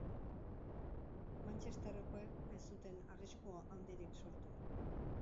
Manchesterrekoek ez zuten arrisku handitik sortu.